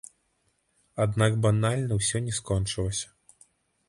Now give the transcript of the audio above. Аднак банальна ўсё не скончылася.